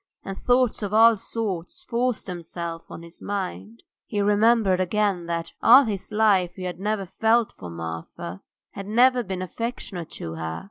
And thoughts of all sorts forced themselves on his mind. He remembered again that all his life he had never felt for Marfa, had never been affectionate to her.